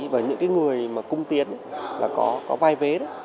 và những cái người mà cung tiến là có vai vế đó